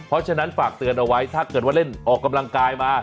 เพราะฉะนั้นฝากเตือนเอาไว้ถ้าเกิดว่าเล่นออกกำลังกายมา